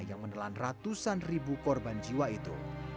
yang menelan ratusan ribu korban jiwa itu